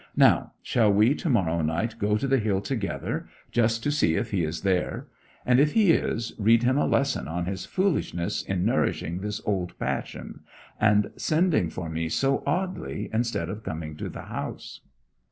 Now, shall we to morrow night go to the hill together just to see if he is there; and if he is, read him a lesson on his foolishness in nourishing this old passion, and sending for me so oddly, instead of coming to the house?'